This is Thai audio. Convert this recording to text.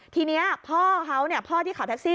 ทีนี้พ่อเขาพ่อที่ขับแท็กซี่